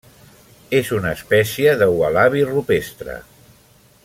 És una espècie de ualabi rupestre.